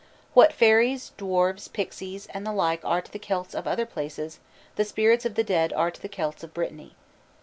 What fairies, dwarfs, pixies, and the like are to the Celts of other places, the spirits of the dead are to the Celts of Brittany.